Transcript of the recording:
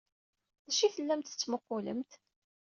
D acu ay tellamt tettmuqqulemt?